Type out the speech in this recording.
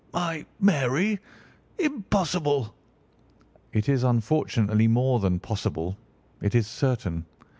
"My Mary? Impossible!" "It is unfortunately more than possible; it is certain.